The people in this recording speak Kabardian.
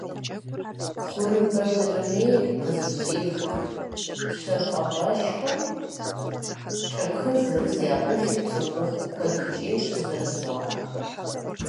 Хъурымэбжьэрымейр къызыщӀих пщэфӀапӀэшхуэм кӀэпхын зырыз яӀулъу цӀыхухъу куэдыкӀей щызэрызохьэ.